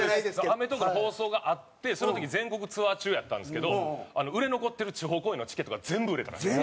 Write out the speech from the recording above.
『アメトーーク』の放送があってその時全国ツアー中やったんですけど売れ残ってる地方公演のチケットが全部売れたらしいんですよ。